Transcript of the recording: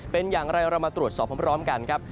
เป็นอย่างไรเรามาตรวจสอบพร้อมกันครับ